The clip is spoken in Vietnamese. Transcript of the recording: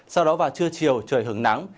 sau đó vào trưa chiều trời hứng nắng